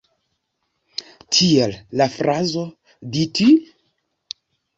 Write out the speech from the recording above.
Tiel, la frazo "Dis-tu?